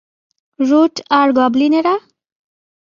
Root আর গবলিনেরা?